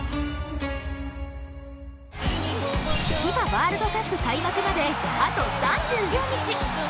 ワールドカップ開幕まであと３４日。